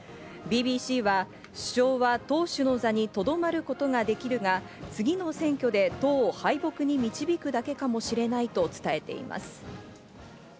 ＢＢＣは首相は党首の座にとどまることができるが、次の選挙で党を敗北に導くだけかもしれないと伝えています。